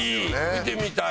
見てみたい！